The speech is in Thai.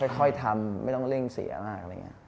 ค่อยทำไม่ต้องเร่งเสียมาก